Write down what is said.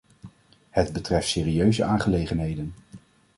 Het betreft serieuze aangelegenheden.